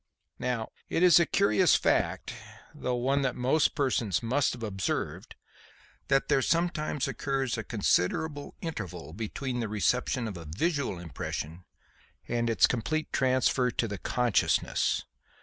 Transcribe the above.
Now, it is a curious fact though one that most persons must have observed that there sometimes occurs a considerable interval between the reception of a visual impression and its complete transfer to the consciousness.